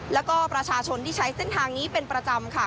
แล้วก็ประชาชนที่ใช้เส้นทางนี้เป็นประจำค่ะ